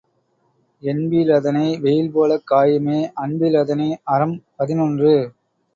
NP லதனை வெயில்போலக் காயுமே அன்பி லதனை அறம் பதினொன்று .